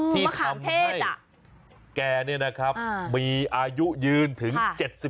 ที่ทำให้แกเนี่ยนะครับมีอายุยืนถึง๗๙ปี